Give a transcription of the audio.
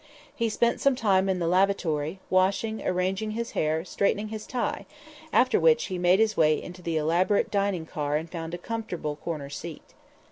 He spent some time in the lavatory, washing, arranging his hair, straightening his tie, after which he made his way into the elaborate dining car and found a comfortable corner seat.